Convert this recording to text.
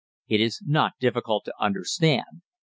It is not difficult to understand.